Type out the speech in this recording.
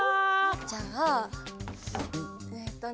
じゃあえっとね。